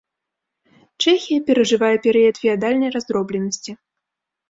Чэхія перажывае перыяд феадальнай раздробленасці.